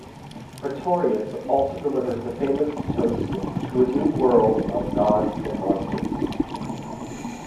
Pretorius also delivers the famous toast To a new world of gods and monsters!